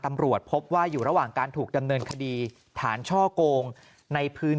ตำรวจพบว่าอยู่ระหว่างการถูกดำเนินคดีฐานช่อกงในพื้น